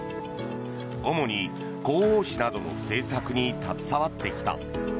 主に広報誌などの制作に携わってきた。